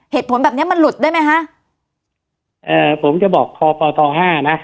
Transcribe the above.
เหตุผลแบบเนี้ยมันหลุดได้ไหมฮะเอ่อผมจะบอกคอปตห้านะ